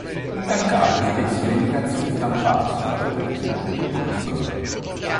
In tal caso spesso le indicazioni stampate sulla coperta diminuiscono.